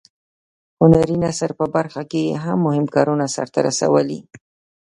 هنري نثر په برخه کې یې مهم کارونه سرته رسولي.